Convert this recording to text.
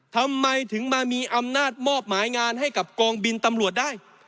ทำไมถึงมามีอำนาจมอบหมายงานให้กับกองบินตำรวจได้